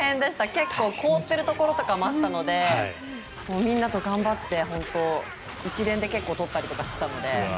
結構凍っているところとかもあったのでみんなと頑張って一連で撮ったりとかしてたので。